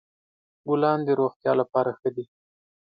ګلان د روغتیا لپاره ښه دي.